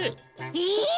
えっ！